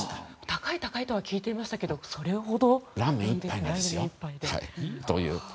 高い高いとは聞いていましたけどそれほどだったんですね。